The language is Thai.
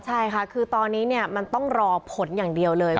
ใช่ค่ะคือตอนนี้มันต้องรอผลอย่างเดียวเลย